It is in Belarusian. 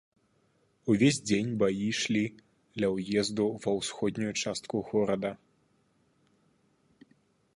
Увесь дзень баі ішлі ля ўезду ва ўсходнюю частку горада.